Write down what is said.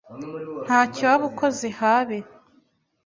ntacyo waba ukoze habe